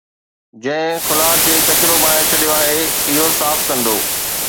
جنهن خلاءَ کي ڪچرو بڻائي ڇڏيو آهي، اهو صاف ڪندو